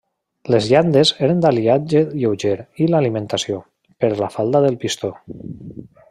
Les llandes eren d'aliatge lleuger i l'alimentació, per la falda del pistó.